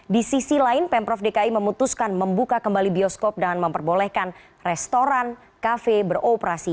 di sisi lain pemprov dki memutuskan membuka kembali bioskop dan memperbolehkan restoran kafe beroperasi